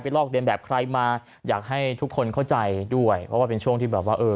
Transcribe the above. ลอกเรียนแบบใครมาอยากให้ทุกคนเข้าใจด้วยเพราะว่าเป็นช่วงที่แบบว่าเออ